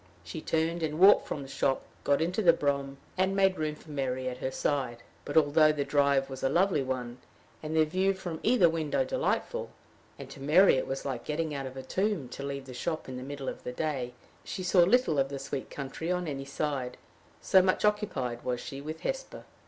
She turned and walked from the shop, got into the brougham, and made room for Mary at her side. But, although the drive was a lovely one, and the view from either window delightful, and to Mary it was like getting out of a tomb to leave the shop in the middle of the day, she saw little of the sweet country on any side, so much occupied was she with Hesper.